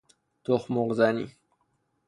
تخم مرغ زنی